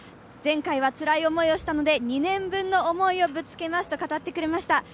前回はつらい思いをしたので２年分の思いをぶつけますと語ってくれました。